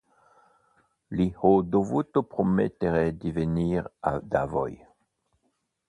Gli ho dovuto promettere di venir da voi.